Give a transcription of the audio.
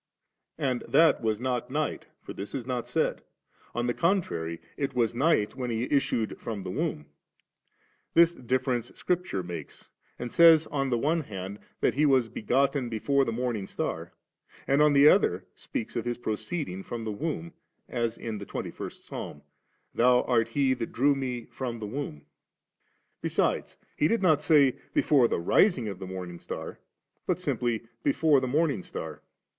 And that was not night, for this is not said ; on the contrary, it was night when He issued from the womb. This difference Scripture makes, and says on the one hand that He was begotten before the morning star, and on the other speaks of Ss procee£ng from the womb, as in the twenty first Psahn, ' Thou art he that drew Me from the womb*.' Besides, He did not say, 'before the rising of the morning star,' but simply *b^ fore the morning star.'